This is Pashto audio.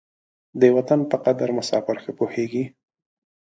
د وطن په قدر مساپر ښه پوهېږي.